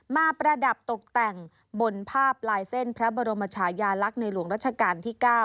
ประดับตกแต่งบนภาพลายเส้นพระบรมชายาลักษณ์ในหลวงรัชกาลที่๙